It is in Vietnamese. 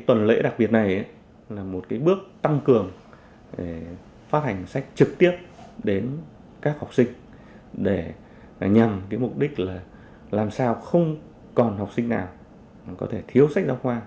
tuần lễ đặc biệt này là một bước tăng cường phát hành sách trực tiếp đến các học sinh để nhằm mục đích là làm sao không còn học sinh nào có thể thiếu sách giáo khoa